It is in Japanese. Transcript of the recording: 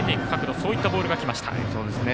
そういったボールがきました。